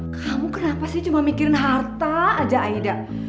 kamu kenapa sih cuma mikirin harta aja aida